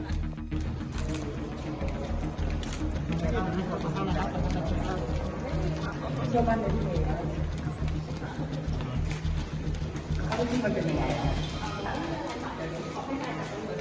อันนี้แหละครับ